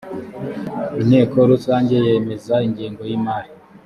inteko rusange yemeza ingengo yimari